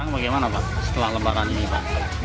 bagaimana pak setelah lebaran ini pak